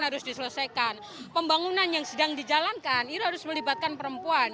harus diselesaikan pembangunan yang sedang dijalankan itu harus melibatkan perempuan